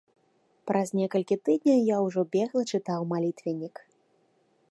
Праз некалькі тыдняў я ўжо бегла чытаў малітвеннік.